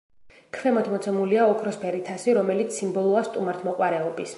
ქვემოთ მოცემულია ოქროსფერი თასი, რომელიც სიმბოლოა სტუმართმოყვარეობის.